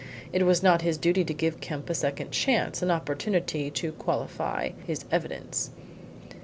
It was not his duty to give Kemp a second chance an opportunity to qualify his evidence.